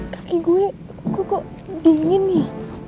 kaki gue kok dingin ya